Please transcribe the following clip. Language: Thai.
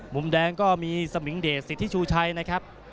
มุมแดงก็มีสมิงเดชสิทธิชูชัยนะครับ